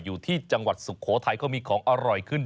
อยู่ที่จังหวัดสุโขทัยเขามีของอร่อยขึ้น